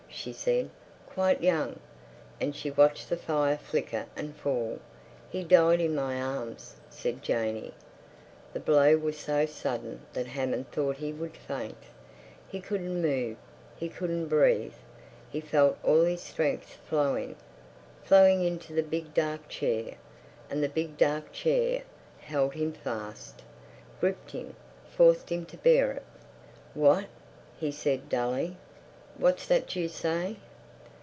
she said. "Quite young." And she watched the fire flicker and fall. "He died in my arms," said Janey. The blow was so sudden that Hammond thought he would faint. He couldn't move; he couldn't breathe. He felt all his strength flowing—flowing into the big dark chair, and the big dark chair held him fast, gripped him, forced him to bear it. "What?" he said dully. "What's that you say?"